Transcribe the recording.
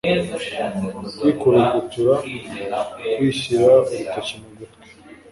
Kwikurugutura Kwishyira urutoki mu gutwi